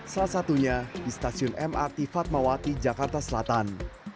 salah satunya di stasiun mrt fatmawati jalan